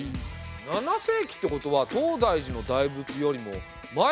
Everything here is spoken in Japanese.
７世紀ってことは東大寺の大仏よりも前だよね。